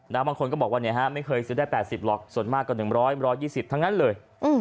บางคนก็บอกว่าไม่เคยซื้อได้๘๐หรอกส่วนมากกว่า๑๐๐๑๒๐ทั้งนั้นเลย